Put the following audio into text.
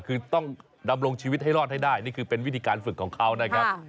คือต้องดำรงชีวิตให้รอดให้ได้นี่คือเป็นวิธีการฝึกของเขานะครับ